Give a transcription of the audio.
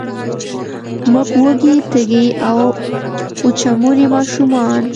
موږ وږې، تږې او، وچموري ماشومان